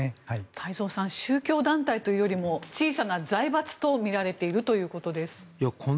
太蔵さん宗教団体というよりも小さな財閥と見られているということです。